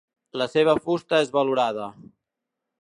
La seva fusta és valorada.